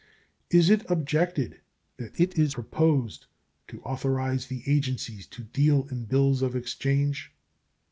Is it objected that it is proposed to authorize the agencies to deal in bills of exchange?